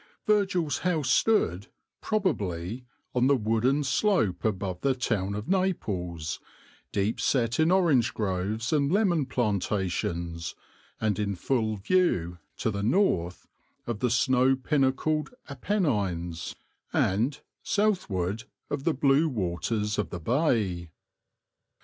Virgil's house stood, probably, on the wooded slope above the town of Naples, deep set in orange groves and lemon plantations, and in full view, to the north, of the snow pinnacled Apennines, and, southward, of the blue waters of the Bay.